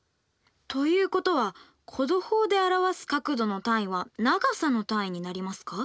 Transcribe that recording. ということは弧度法で表す角度の単位は長さの単位になりますか？